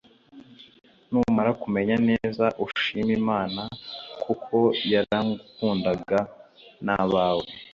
numara kumenya neza ushime imana kuko yaragukundaga nabawe